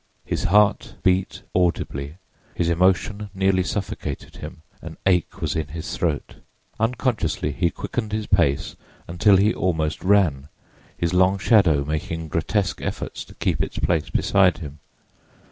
His heart beat audibly, his emotion nearly suffocated him; an ache was in his throat. Unconsciously he quickened his pace until he almost ran, his long shadow making grotesque efforts to keep its place beside him.